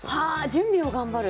準備を頑張る。